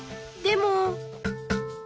でも。